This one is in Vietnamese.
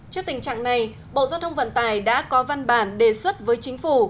trước tình trạng này bộ giao thông vận tải đã có văn bản đề xuất với chính phủ